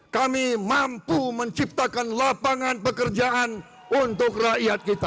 kami mampu menciptakan lapangan pekerjaan untuk rakyat kita